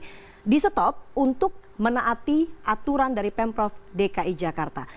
jadi di stop untuk menaati aturan dari pemprov dki jakarta